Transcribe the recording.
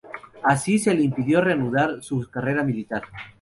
Así, se le impidió reanudar su carrera militar.